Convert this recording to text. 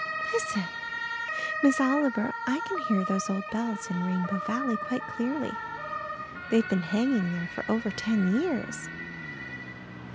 Listen, Miss Oliver I can hear those old bells in Rainbow Valley quite clearly. They've been hanging there for over ten years."